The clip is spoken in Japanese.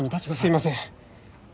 すいません！